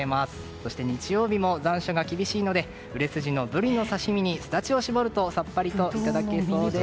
そして日曜日も残暑が厳しいので売れ筋のブリの刺身にスダチを搾るとさっぱりといただけそうです。